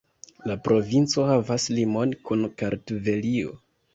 La provinco havas limon kun Kartvelio.